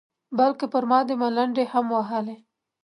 بلکې پر ما دې ملنډې هم وهلې.